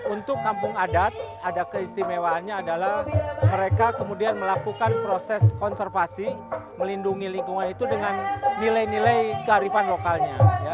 untuk kampung adat ada keistimewaannya adalah mereka kemudian melakukan proses konservasi melindungi lingkungan itu dengan nilai nilai kearifan lokalnya